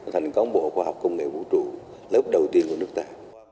thành công bộ khoa học công nghệ vũ trụ lớp đầu tiên của nước ta